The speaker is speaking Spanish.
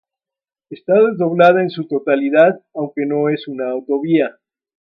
Está desdoblada en su totalidad, aunque no es una autovía.